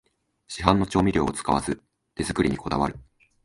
市販の調味料を使わず手作りにこだわる